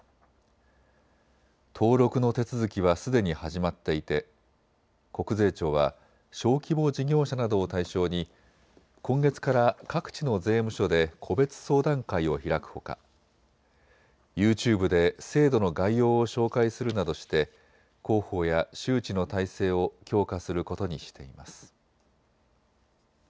登録の手続きはすでに始まっていて国税庁は小規模事業者などを対象に今月から各地の税務署で個別相談会を開くほかユーチューブで制度の概要を紹介するなどして広報や周知の体制を強化することにしています。